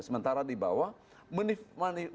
sementara di bawah menikmati fasilitas